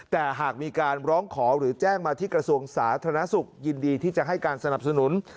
แต่หากมีการร้องขอหรือแจ้งมาที่กระทรวงสาธารณสุขยินดีที่จะให้การสนับสนุน